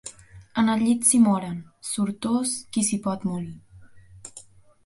En el llit s'hi moren; sortós qui s'hi pot morir.